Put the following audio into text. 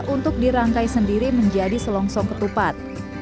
untuk dirangkai sendiri menjadi selongsong ketupat